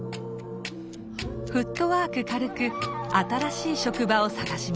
フットワーク軽く新しい職場を探します。